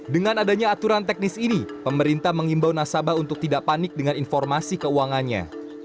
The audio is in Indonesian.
dengan adanya aturan teknis ini pemerintah mengimbau nasabah untuk tidak panik dengan informasi keuangannya